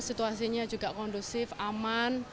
situasinya juga kondusif aman